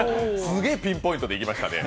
すごいピンポイントでいきましたね。